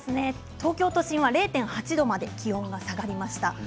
東京都心は０．８度まで気温が下がりました。